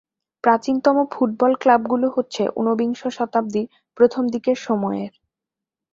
প্রাচীনতম ফুটবল ক্লাবগুলো হচ্ছে ঊনবিংশ শতাব্দীর প্রথম দিকের সময়ের।